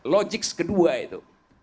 logics kedua itu